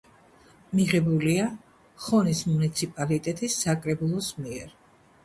მიღებულია ხონის მუნიციპალიტეტის საკრებულოს მიერ.